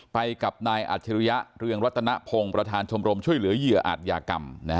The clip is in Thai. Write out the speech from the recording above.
ไปกับนายอัจฉริยะเรืองรัตนพงศ์ประธานชมรมช่วยเหลือเหยื่ออาจยากรรม